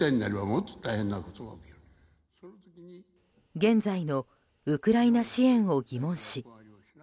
現在のウクライナ支援を疑問視。